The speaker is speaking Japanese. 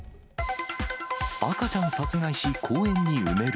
赤ちゃん殺害し公園に埋める。